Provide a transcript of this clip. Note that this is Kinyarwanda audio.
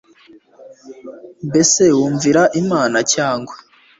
Mbese wumvira Imana cyangwa